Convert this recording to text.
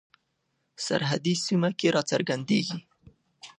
سرحدي سیمه کې را څرګندیږي.